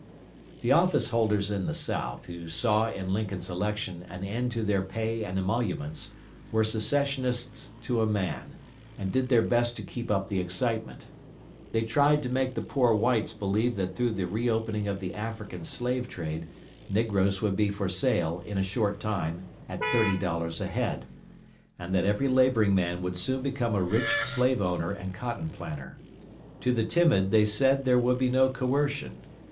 The office holders in the South, who saw in Lincoln's election an end to their pay and emoluments, were Secessionists to a man, and did their best to keep up the excitement. They tried to make the poor whites believe that through the re opening of the African slave trade negroes would be for sale, in a short time, at thirty dollars a head; and that every laboring man would soon become a rich slave owner and cotton planter. To the timid, they said there would be no coercion.